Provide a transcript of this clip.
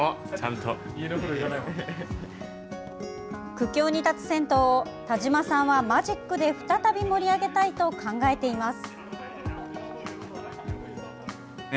苦境に立つ銭湯を田島さんは、マジックで再び盛り上げたいと考えています。